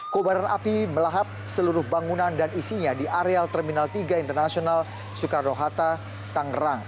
kobaran api melahap seluruh bangunan dan isinya di areal terminal tiga internasional soekarno hatta tangerang